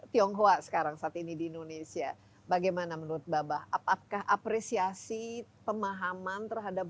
tionghoa sekarang saat ini di indonesia bagaimana menurut babah apakah apresiasi pemahaman terhadap